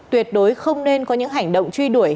tuyệt đối không nên có những hành động truy đuổi